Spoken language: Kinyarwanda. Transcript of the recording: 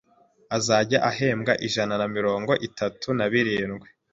azajya ahembwa ijana na mirongo itatu nabirindwi